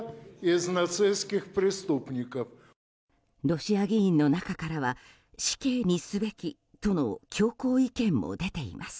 ロシア議員の中からは死刑にすべきとの強硬意見も出ています。